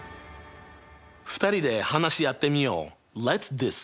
２人で話し合ってみよう。